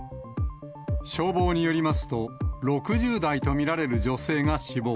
消防によりますと、６０代と見られる女性が死亡。